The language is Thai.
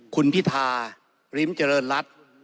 คุณพิธาริมเจริญรัฐ